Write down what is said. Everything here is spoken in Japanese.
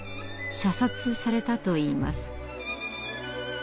射殺されたといいます。